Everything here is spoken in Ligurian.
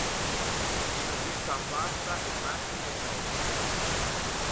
O me gusta a pasta e mascime e tròfie.